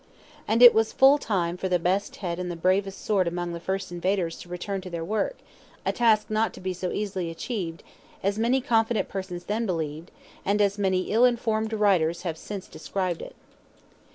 And it was full time for the best head and the bravest sword among the first invaders to return to their work—a task not to be so easily achieved as many confident persons then believed, and as many ill informed writers have since described it.